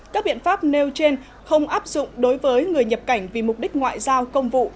các biện pháp nêu trên không áp dụng đối với người nhập cảnh vì mục đích ngoại giao công vụ